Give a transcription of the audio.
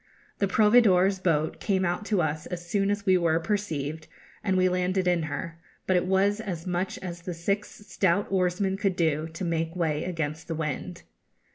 The proveedor's boat came out to us as soon as we were perceived, and we landed in her; but it was as much as the six stout oarsmen could do to make way against the wind.